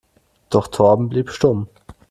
Doch Torben blieb stumm.